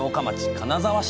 金沢市。